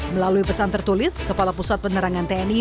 melalui pesan tertulis kepala pusat penerangan tni